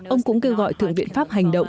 ông cũng kêu gọi thượng viện pháp hành động